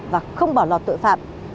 và không bỏ lò tội phạm